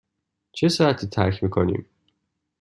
چه ساعتی ترک می کنیم؟